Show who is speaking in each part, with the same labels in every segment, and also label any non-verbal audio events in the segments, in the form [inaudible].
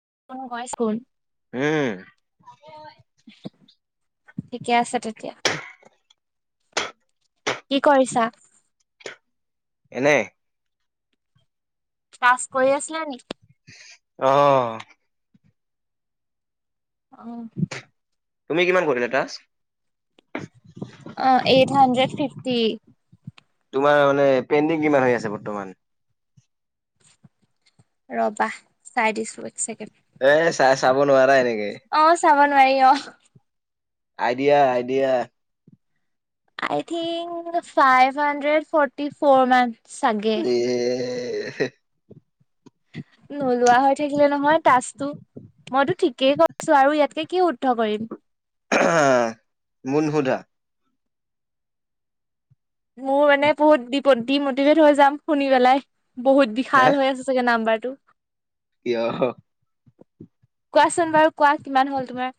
Speaker 1: [unintelligible]
Speaker 2: উম
Speaker 1: ঠিকে আছে তেতিয়া কি কৰিছা
Speaker 2: এনেই
Speaker 1: টাস্ক কৰি আছিলা নি
Speaker 2: অ
Speaker 1: অ [inaudible]
Speaker 2: তুমি কিমান কৰিলা টাস্ক
Speaker 1: অ এইট হাণ্ড্ৰেড ফিফটি
Speaker 2: তোমাৰ মানে পেণ্ডিং কিমান হৈ আছে বৰ্তমান
Speaker 1: ৰবা চাই দিছো
Speaker 2: এ চাই চাব নোৱাৰা এনেকে
Speaker 1: অ চাবা নোৱাৰি অ
Speaker 2: idea idea
Speaker 1: I think five hundred forty four মান চাগে
Speaker 2: এ
Speaker 1: নোলোৱা হয় ঠাকিলে নহয় টাস্কটো মইতো ঠিকেই কৈছো আৰু ইয়াকে কি শুদ্ধ কৰিম
Speaker 2: মোৰ নোসোঁধা
Speaker 1: মোৰ মানে বহুত ডি মটিভেট হৈ যাম শুনি পেলাই বহুত বিশাল হৈ আছে চাগে নাম্বাৰটো
Speaker 2: ইঅ
Speaker 1: কোৱাচোন বাৰু কোৱা কিমান হ'ল তোমাৰ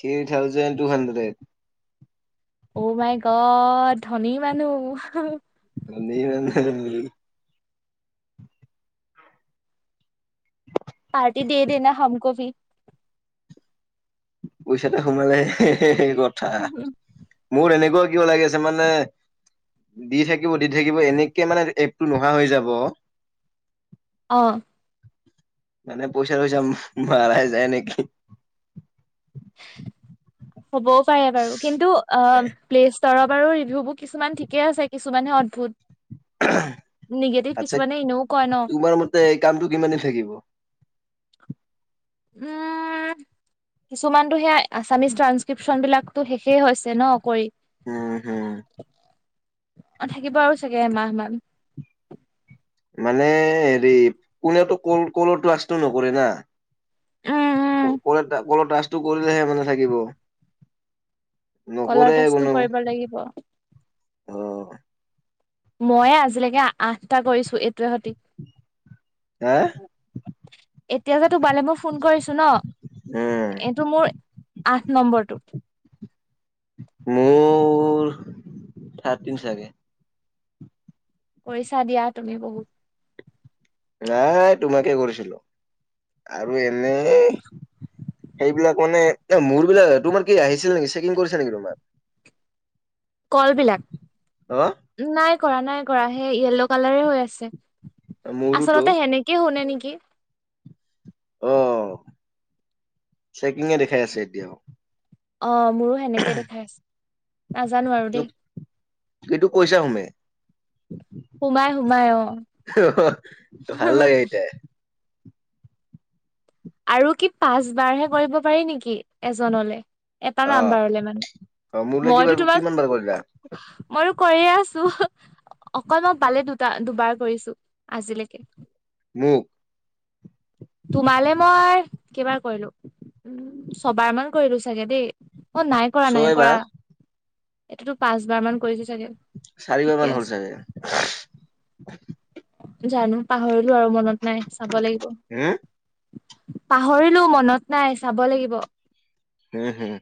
Speaker 2: থ্ৰী থাউজেড টু হাণ্ড্ৰেড
Speaker 1: অ মাই গত ধনী মানুহ
Speaker 2: [unintelligible]
Speaker 1: পাৰ্টি দে দেনা হামকো ভি
Speaker 2: পইচাতে সোমালে কথা মোৰ এনেকুৱা কিয় লাগি আছে মানে দি থাকিব দি থাকিব এনেকে মানে এপটো নোহোৱা হৈ যাব
Speaker 1: অ
Speaker 2: মানে পইচা চইচা মাৰাই যায় নেকি?
Speaker 1: হ'বও পাৰে বাৰু কিন্তু অ প্লেচ দৰব আৰু ৰিভিউবোৰ কিছুমান ঠিকে আছে, কিছুমানে অদ্ভুত।
Speaker 2: উহ উহ
Speaker 1: নিগেটিভ
Speaker 2: আচ্ছা,
Speaker 1: কিছুমানে এনেও কয় ন
Speaker 2: তোমাৰ মতে এই কামটো কিমান দিন থাকিব?
Speaker 1: উম উম, কিছুমানতো সেয়া আছামিছ ট্ৰানসক্ৰিপচন বিলাক টো শেষেই হৈছে ন কৰি
Speaker 2: উম উম
Speaker 1: অ থাকিব আৰু চাগে এমাহ মান
Speaker 2: মানে হেৰি কোনেওতো কল কলৰ টাক্সটো নকৰে না
Speaker 1: উম উম
Speaker 2: ক কল কলৰ টাক্সটো কৰিলেহে মানে থাকিব
Speaker 1: কলৰ
Speaker 2: নকৰে
Speaker 1: টাস্কটো
Speaker 2: কোনেও
Speaker 1: কৰিব লাগিব
Speaker 2: অ
Speaker 1: ময়ে আজিলৈকে আঠটা কৰিছোঁ এইটোৱে সতি
Speaker 2: হে
Speaker 1: এতিয়া যে তোমালে মই ফোন কৰিছোঁ ন
Speaker 2: উম,
Speaker 1: এইটো মোৰ আঠ নম্বৰটো
Speaker 2: মোৰ থাৰ্টিন চাগে
Speaker 1: কৰিছা দিয়া তুমি বহুত
Speaker 2: নাই তোমাকে কৰিছিলো আৰু এনেই সেইবিলাক মানে এ মোৰ বিলাক তোমাৰ কি আহিছিল নেকি চেকিং কৰিছে নেকি তোমাৰ
Speaker 1: কল বিলাক
Speaker 2: অ',
Speaker 1: নাই কৰা নাই কৰা সেই য়ে'ল্ল কালাৰে হৈ আছে
Speaker 2: মোৰোতো
Speaker 1: আচলতে সেনেকেই শুনে নিকি?
Speaker 2: অ চেকিঙে দেখাই আছে এতিয়াও
Speaker 1: অ মোৰো সেনেকে দেখাই আছে, নাজানো আৰু দেই।
Speaker 2: কিন্তু পইচা হোমে।
Speaker 1: সোমাই সোমাই অ
Speaker 2: হ হ, ভাল লাগে এইটাই।
Speaker 1: আৰু কি পাঁচবাৰহে কৰিব পাৰি নেকি এজনলে? এটা
Speaker 2: অ',
Speaker 1: নাম্বাৰলে মানে,
Speaker 2: অ', মোৰলৈ কিবা
Speaker 1: মইতো তোমাক
Speaker 2: কিমান বাৰ কৰিলা
Speaker 1: মইতো কৰিয়ে আ ছো হো অকল মই পালে দুটা দুবাৰ কৰিছোঁ আজিলেকে।
Speaker 2: মোক
Speaker 1: তোমালে মই কেইবাৰ কৰিলোঁ, উম ছবাৰ মান কৰিলোঁ চাগে দেই। অ নাই কৰা নাই
Speaker 2: ছয়
Speaker 1: কৰা,
Speaker 2: বাৰ।
Speaker 1: এইটোতো পাঁচবাৰ মান কৰিছ
Speaker 2: চাৰিবাৰ মান হ'ল চাগে?
Speaker 1: জানো পাহৰিলো আৰু মনত নাই চাব লাগিব।
Speaker 2: হম
Speaker 1: পাহৰিলো মনত নাই চাব লাগিব।
Speaker 2: হুম হুম।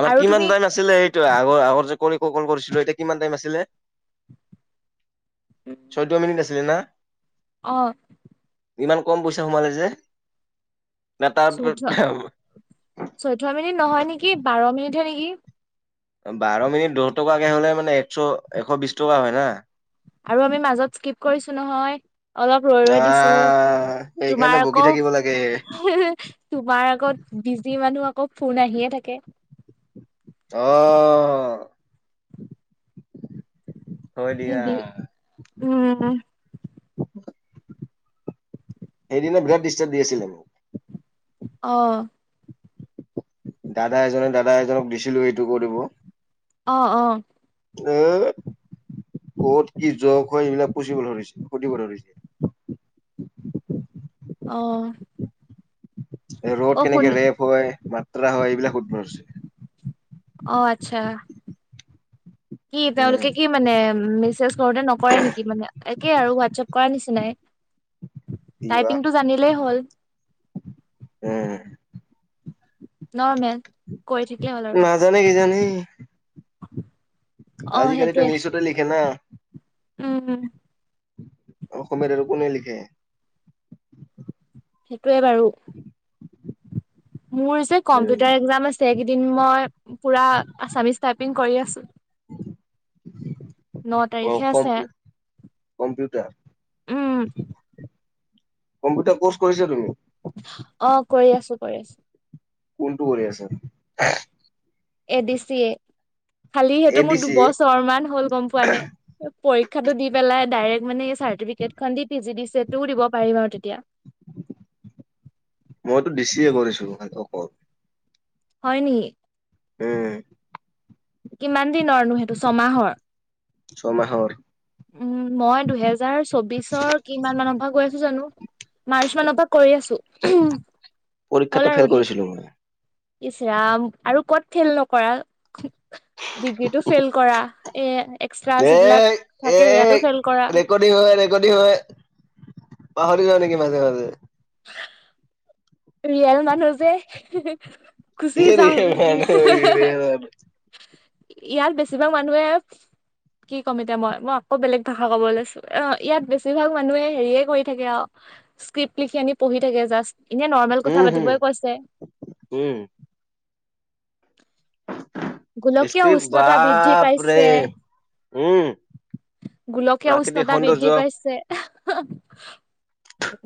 Speaker 2: আমাৰ
Speaker 1: আৰু তুমি
Speaker 2: কিমান টাইম আছিলে টো আগৰ আগৰ যে কৰি ক কল কৰিছিলো এতিয়া কিমান টাইম আছিলে? চৈধ্য মিনিট আছিলে না?
Speaker 1: অ।
Speaker 2: ইমান কম পইচা সোমালে যে? না তাৰ
Speaker 1: চৌধ্য -চৈধ্য মিনিট নহয় নিকি বাৰ মিনিটহে নিকি?
Speaker 2: বাৰ মিনিট দহ টকাকে হ'লে মানে এশ- এশ বিশ টকা হয় না?
Speaker 1: আৰু আমি মাজত স্কিপ কৰিছোঁ নহয়, অলপ ৰৈ ৰৈ দিছোঁ।
Speaker 2: আহ সেইকাৰণে
Speaker 1: তোমাৰ
Speaker 2: বকি
Speaker 1: আকৌ
Speaker 2: থাকিব লাগে
Speaker 1: হু হু, তোমাৰ আগত বিজি মানুহ আ- আকৌ ফোন আহিয়ে থাকে।
Speaker 2: অ। হয় দিয়া
Speaker 1: সেনকে উমহ।
Speaker 2: সেইদিনা বিৰাট ডিষ্টাৰ্ব দি আছিলে মোক।
Speaker 1: অ।
Speaker 2: দাদা এজনে দাদা এজনক দিছিলো এইটো কৰিব।
Speaker 1: অ অ।
Speaker 2: উ। কত কি জয় কৰিলে এইবিলাক পুচিবলৈ ধৰিছে সুধিব ধৰিছে। [inaudible]
Speaker 1: অ'।
Speaker 2: ৰ'দ
Speaker 1: অ শুন
Speaker 2: কেনেকে ৰেপ হয়, মাত্ৰা হয়, এইবিলাক সুধব ধৰছে।
Speaker 1: অ আচ্ছা। কি
Speaker 2: উম,
Speaker 1: তেওঁলোকে কি মানে মেছেজ কৰোতে নকৰে নেকি মানে একে আৰু হোৱাটছএপ কৰা নিচিনাই।
Speaker 2: কিবা
Speaker 1: টাইপিংটো জানিলেই হ'ল।
Speaker 2: উম।
Speaker 1: নৰ্মেল কৰি থাকিলে হ'ল আৰু।
Speaker 2: উম।
Speaker 1: অ [inaudible]
Speaker 2: আজিকালিতো ইংলিছতে লিখে ন?
Speaker 1: উম উম।
Speaker 2: অসমীয়াত আৰু কোনে লিখে?
Speaker 1: সেইটোৱে বাৰু। মোৰ যে
Speaker 2: উম,
Speaker 1: কম্পিউটাৰ একজাম আছে। সেইকেইদিন মই পুৰা আছামিজ টাইপিং কৰি আছো। ন
Speaker 2: অ'
Speaker 1: তাৰিখে আছে
Speaker 2: কম্পিউ কম্পিউটাৰ,
Speaker 1: উম।
Speaker 2: কম্পিউটাৰ কৰ্চ কৰিছা তুমি?
Speaker 1: অ কৰি আছো কৰি আছো।
Speaker 2: কোনটো কৰি আছা?
Speaker 1: এ দি চিয়ে। খালি সেইটো
Speaker 2: এ ডি
Speaker 1: মোৰ
Speaker 2: চি এ?
Speaker 1: দুবছৰ মান হ'ল গম পোৱা নে পৰীক্ষাটো দি পেলাই ডাইৰেক্ট মানে এই চাৰ্টিফিকেটখন দি P G D C A টোও দিব পাৰিম আৰু তেতিয়া।
Speaker 2: মইতো ডিচি এ কৰিছো অকল।
Speaker 1: হয় নেকি?
Speaker 2: উম।
Speaker 1: কিমান দিনৰ নো সেইটো ছমাহৰ
Speaker 2: ছমাহৰ
Speaker 1: উম মই দুহেজ দুহেহেজাৰ চৌবিশৰ কিমান মানৰ পৰা কৰি আছো জানো মাৰ্চ মানৰ পৰা কৰি আছো।
Speaker 2: পৰীক্ষাটো ফেল কৰিছিলো মানে।
Speaker 1: ইচৰাম আৰু কত ফেল নকৰা।
Speaker 2: [inaudible]
Speaker 1: ডিগ্ৰীটো ফেইল কৰা এ এক্সট্ৰা যিবিলাক
Speaker 2: এই
Speaker 1: থাকে
Speaker 2: এই
Speaker 1: সেয়াতো ফেইল কৰা।
Speaker 2: ৰেকৰ্ডিং হয়‌ ৰেকৰ্ডিং হয় পাহৰি যাৱ নেকি মাজে মাজে।
Speaker 1: ৰিয়েল মানুহ যে
Speaker 2: কি
Speaker 1: গুছি
Speaker 2: ৰে
Speaker 1: যাওঁ হে‌
Speaker 2: মানুহ
Speaker 1: হে
Speaker 2: ৰে
Speaker 1: হে।
Speaker 2: মানুহ।
Speaker 1: ইয়াত বেছিভাগ মানুহে কি ক'ম এতিয়া মই মই আকৌ বেলেগ ভাষা কব লৈছো অ ইয়াত বেছিভাগ মানুহে হেৰিয়ে কৰি থাকে আৰু। স্ক্ৰিপ্ট লিখি আনি পঢ়ি থাকে জাষ্ট। এনে নৰ্মেল কথা
Speaker 2: উম, হম,
Speaker 1: পাতিবই কৈছে।
Speaker 2: উম।
Speaker 1: গোলকীয়
Speaker 2: স্ক্ৰিপ্ট
Speaker 1: উষ্ণতা বৃদ্ধি
Speaker 2: বাপৰে
Speaker 1: পাইছে।
Speaker 2: উম
Speaker 1: গোলকীয়
Speaker 2: প্ৰাকৃতিক
Speaker 1: উষ্ণতা
Speaker 2: সৌন্দৰ্য
Speaker 1: বৃদ্ধি পাইছে।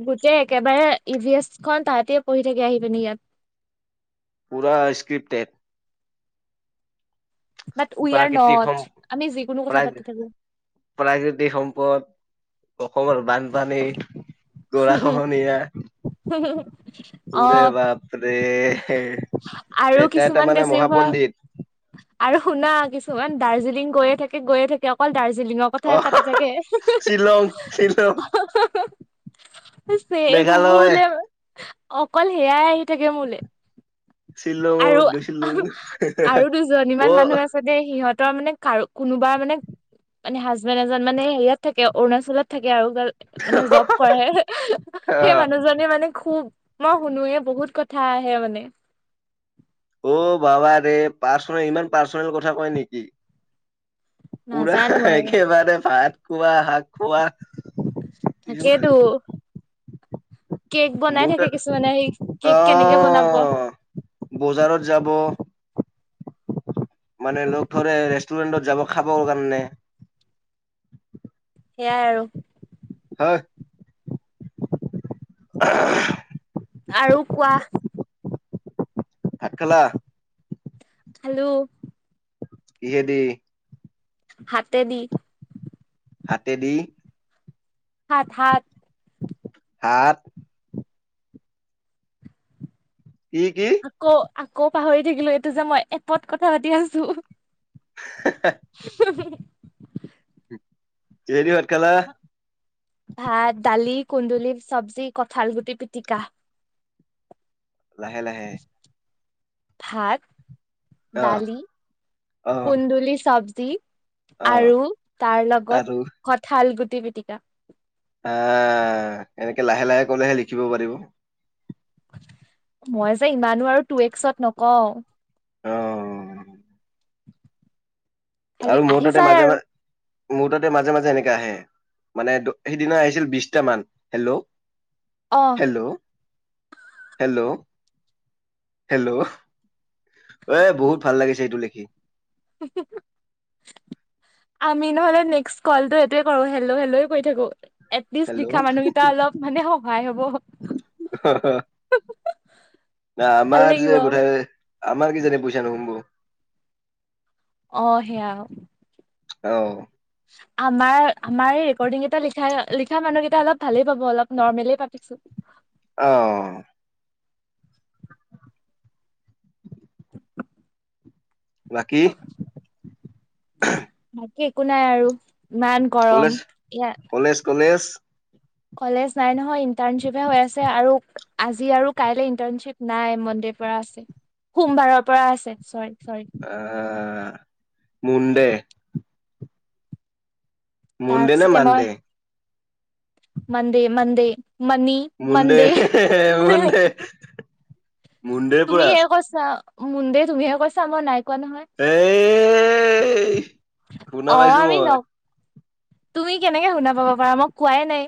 Speaker 1: গোটেই একেবাৰে ই ভি এছ খন তাহাঁতে পঢ়ি থাকে আহি পিনে ইয়াত।
Speaker 2: পূৰা স্ক্ৰিপ্টেড।
Speaker 1: বাট উই আৰ
Speaker 2: প্ৰাকৃতিক
Speaker 1: নট আমি যিকোনো কথা পাতি থাকো।
Speaker 2: প্ৰ্যাই যদি সম্পদ অসমৰ বানপানী গৰা
Speaker 1: উম
Speaker 2: খহনীয়া
Speaker 1: অ'
Speaker 2: ওৰে বাপৰে। হেই
Speaker 1: আৰু
Speaker 2: এতিয়া
Speaker 1: কিছুমান
Speaker 2: তাৰমানে মানে
Speaker 1: বেছিভাগ
Speaker 2: মহাপণ্ডিত।
Speaker 1: আৰু শুনা কিছুমান দাৰ্জিলিং গৈয়ে থাকে গৈয়ে থাকে, অকল দাৰ্জিলিংৰ
Speaker 2: অ
Speaker 1: কথাই পাতি থাকে।
Speaker 2: শ্বিলং শ্বিলং
Speaker 1: [unintelligible] চেম
Speaker 2: মেঘালয়
Speaker 1: মোলে অকল সেয়াই আহি থাকে মোলে। আৰু
Speaker 2: শ্বিলঙত গৈছিলো
Speaker 1: আৰু
Speaker 2: অ
Speaker 1: দুজনীমান মানুহ আছে দেই সিহঁত তৰ মানে কাৰ কোনোবাৰ মানে মানে হাজবেণ্ড এজন মানে হেৰিয়াত থাকে অৰুণাচলত থাকে আৰু। মানে জব কৰে, সেই মানুহজনে মানে খুব মই শুনোয়ে বহুত কথা আহে মানে।
Speaker 2: অ' বাবা ৰে পাৰ্চনেল ইমান পাৰ্চনেল কথা কয় নেকি? পুৰা
Speaker 1: নাজানো আৰু
Speaker 2: একেবাৰে ভাত খোৱা, শাক খোৱা
Speaker 1: তাকেটো।
Speaker 2: মোৰ
Speaker 1: কিছুমানে আহি
Speaker 2: তাত
Speaker 1: কেক কেনেকে বনাব
Speaker 2: অহ। বজাৰত যাব মানে লগ ধৰে ৰেষ্টুৰেণ্টত যাব খাব কাৰণে। [inaudible]
Speaker 1: সেয়াই আৰু।
Speaker 2: হয়।
Speaker 1: আৰু কোৱা?
Speaker 2: ভাত খালা?
Speaker 1: খালোঁ।
Speaker 2: কিহেদি?
Speaker 1: হাতে দি।
Speaker 2: হাতেদি।
Speaker 1: হাত হাত।
Speaker 2: হাত। কি কি?
Speaker 1: আকৌ আকৌ পাহৰি থাকিলো এইটো যে মই এপত কথা পাতি আছো।
Speaker 2: [unintelligible]
Speaker 1: [inaudible]
Speaker 2: কিহেদি ভাত খালা?
Speaker 1: ভাত, দালি, কুন্দুলি চব্জি, কঠাল গুটি পিটিকা,
Speaker 2: লাহে লাহে
Speaker 1: ভাত
Speaker 2: অ'
Speaker 1: দালি
Speaker 2: অ'
Speaker 1: কুন্দুলি চব্জি। তি
Speaker 2: অ'
Speaker 1: আৰু তাৰ
Speaker 2: আৰু
Speaker 1: লগত কঁঠাল গুটি পিটিকা।
Speaker 2: আহ এনেকে লাহে লাহে কলেহে লিখিব পাৰিব।
Speaker 1: মই যে ইমানো আৰু টু এক্সত নকওঁ।
Speaker 2: অ'
Speaker 1: খালি
Speaker 2: আৰু মৌ
Speaker 1: আহি
Speaker 2: তাতে
Speaker 1: যায়
Speaker 2: মাজে
Speaker 1: আৰু
Speaker 2: মাজে মোৰ তাতে মাজে মাজে এনেকাে আহে মানে সেইদিনা আহিছিল বিশটামান, হেল্ল'
Speaker 1: অ
Speaker 2: হেল্ল' হেল্ল'। হেল্ল' এ বহুত ভাল লাগিছে এইটো লিখি।
Speaker 1: [unintelligible] আমি নহলে নেক্স কলো এইোৱে কৰো হেল্ল' হেল্লয়ে কৈ থাকো। এটলিষ্ট লিখা
Speaker 2: হেল্ল'
Speaker 1: মানুহকেইটা অলপ মানে সহায় হব। ভাল
Speaker 2: আমাৰ
Speaker 1: লাগিব
Speaker 2: যে বোঠাই আমাৰ কি জানি পইচা নোসোমাব।
Speaker 1: অ সেয়া।
Speaker 2: অহ।
Speaker 1: আমাৰ আমাৰ এই ৰেকৰ্ডিং গীতা লি লিখা মানুহকেইটা অলপ ভালেই পাব অলপ নৰ্মলে পাতিচো।
Speaker 2: অ।
Speaker 1: [inaudible]
Speaker 2: বাকী
Speaker 1: বাকী একো নাই আৰু ইমান গৰম
Speaker 2: কলেজ
Speaker 1: ইয়াত
Speaker 2: কলেজ
Speaker 1: [unintelligible]
Speaker 2: কলেজ
Speaker 1: কলেজ নাই নহয় ইটাৰশ্বিপ হে হৈ আছে আৰু আজি আৰু কাইলে ইটাৰশ্বিপ নাই মনডে কৰা আছে সোমবাৰৰ পৰা আছে চৰি চৰি
Speaker 2: আহ মুণ্ডে। মুণ্ডে নে
Speaker 1: তাৰপিছতে
Speaker 2: মান
Speaker 1: মই
Speaker 2: দে?
Speaker 1: মন্দে মন্দে মানি
Speaker 2: মুণ্ডে
Speaker 1: মন্দে
Speaker 2: মুণ্ডে
Speaker 1: [unintelligible]
Speaker 2: মুণ্ডে
Speaker 1: তুমি
Speaker 2: পুৰা
Speaker 1: সে কছা মুন্দে তুমিহে কৈছা মই নাই নহয়
Speaker 2: এই শুনা
Speaker 1: আহ
Speaker 2: পাইছো
Speaker 1: আমি ন
Speaker 2: মই
Speaker 1: [unintelligible] তুমি কেনেকে শুনা পাব পাৰা মই কোৱাই নাই।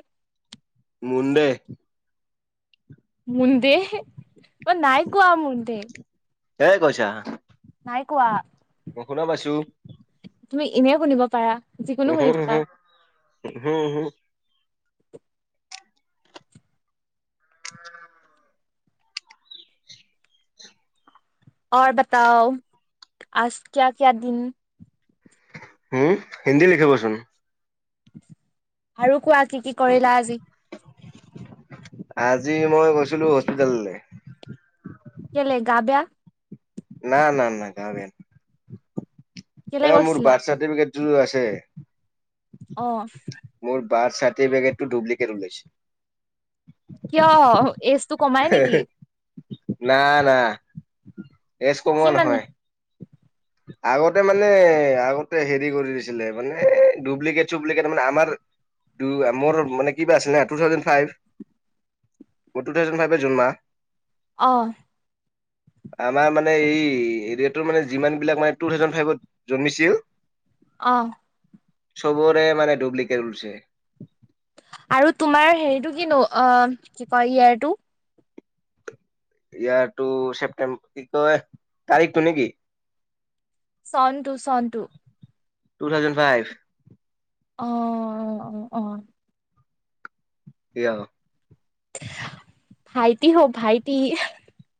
Speaker 2: মুন্দে।
Speaker 1: মুন্দে ম নাই কোৱা মুন্দে।
Speaker 2: এ কৈছা।
Speaker 1: নাই কোৱা।
Speaker 2: অ শুনা পাইছো।
Speaker 1: তুমি এনে শুনিব পাৰা যিকোনো শুনি থাকা।
Speaker 2: হ হ। [inaudible]
Speaker 1: আৰু বতাও আজ কিয়া কিয়া দিন
Speaker 2: উম হিন্দী লিখিবচোন।
Speaker 1: আৰু কোৱা কি কি কৰিলা আজি?
Speaker 2: আজি মই গৈছিলো হস্পিতেললৈ।
Speaker 1: কেলে গাবেয়া?
Speaker 2: না না না গা বেয়া
Speaker 1: কেলে
Speaker 2: এ মোৰ
Speaker 1: গৈছিলা
Speaker 2: বাৰ্থ চাৰ্টিফিকেটো লৈ আছে
Speaker 1: অ
Speaker 2: বাৰ চাৰ্টিফিকেটো ডুপ্লিকেট ওলাইছে [unintelligible]
Speaker 1: কিয় এইজটো কমাই নেকি
Speaker 2: না না এজ
Speaker 1: কি
Speaker 2: কমোৱা
Speaker 1: মানে
Speaker 2: নহয় আগতে মানে আগতে হেৰি কৰি দিছিলে মানে ডুপ্লিকেট চুপ্লিকেট মানে আমাৰ [unintelligible] মোৰ মানে কিবা আছিল না টু থাউজেন ফাইভ [unintelligible] মোৰ টু থাউজেণ্ড ফাইভে জুন মাহ [unintelligible]
Speaker 1: অ
Speaker 2: আমাৰ মানে এই এৰিয়াটোৰ মানে যিমান মানে টু থাউজেণ্ড ফাইভত জন্মিছিল [unintelligible]
Speaker 1: অ
Speaker 2: চবৰে মানে ডুপ্লিকেট উলাইছে [unintelligible]
Speaker 1: আৰু তোমাৰ হেৰিটো কিনো অ কি কয় ইয়াৰটো [unintelligible]
Speaker 2: ইয়াৰটো ছেপটেম্বৰ কি কয় তাৰিখটো নেকি [unintelligible]
Speaker 1: চন চনটো
Speaker 2: টু থাউজেণ্ড ফাইভ
Speaker 1: অ অ অ অ
Speaker 2: কিয়
Speaker 1: ভাইটি হব ভাইটি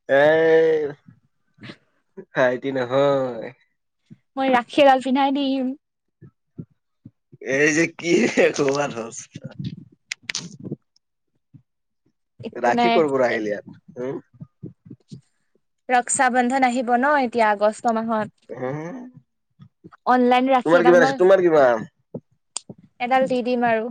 Speaker 2: এই
Speaker 1: উ [inaudible]
Speaker 2: ভাইটি নহয়
Speaker 1: মই ৰাখী এডাল পিন্ধাই দিম
Speaker 2: এই যে কি কমাৰ অস্থা [unintelligible]
Speaker 1: একো
Speaker 2: ৰাখি
Speaker 1: নাই
Speaker 2: কৰ পৰা আহিলি ইয়াত উম?
Speaker 1: ৰক্ষা বন্ধন আহিব ন এতিয়া আগষ্ট মাহত অনলাইন ৰাখি
Speaker 2: তোমাৰ
Speaker 1: এডাল
Speaker 2: কিমান
Speaker 1: মই
Speaker 2: আছে তোমাৰ কিমান?
Speaker 1: এডাল দি দিম আৰু।